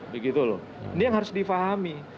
begitu loh ini yang harus difahami